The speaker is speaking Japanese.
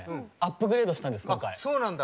そうなんだ。